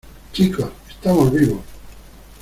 chicos, estamos vivos.